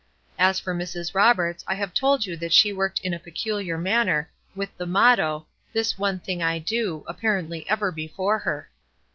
As for Mrs. Roberts, I have told you that she worked in a peculiar manner, with the motto, "This one thing I do," apparently ever before her.